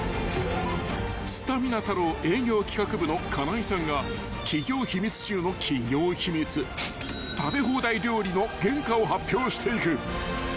［すたみな太郎営業企画部の金井さんが企業秘密中の企業秘密食べ放題料理の原価を発表していく］